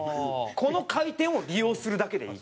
この回転を利用するだけでいい。